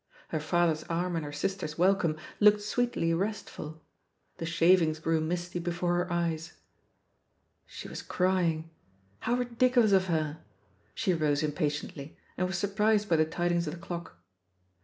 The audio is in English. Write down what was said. Her father's arm and her sisters' welcome looked sweetly restful; the shavings grew misty before her eyes. She was crying, how ridiculous of her! She rose impatiently, and was surprised by the tid ings of the clock.